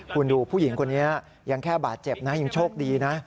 คุณดูผู้หญิงคนนี้ยังแค่บาดเจ็บนะยังโชคดีนะ